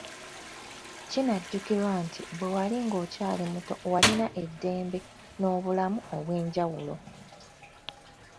Kinajjukirwa nti bwe wali ng'okyali muto walina eddembe n'obulamu obw'enjawulo.